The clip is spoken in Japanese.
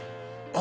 あ